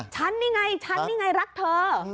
ฉันนี่ไงฉันนี่ไงรักเธอ